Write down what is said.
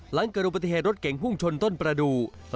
หลังเกิดอุบัติเหตุรถเก่งพุ่งชนต้นประดูก